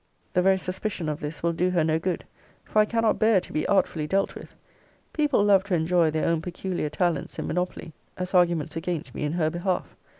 The very suspicion of this will do her no good: for I cannot bear to be artfully dealt with. People love to enjoy their own peculiar talents in monopoly, as arguments against me in her behalf.